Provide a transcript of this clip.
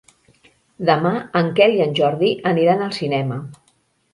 Demà en Quel i en Jordi aniran al cinema.